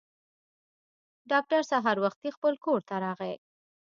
ډاکټر سهار وختي خپل کور ته راغی.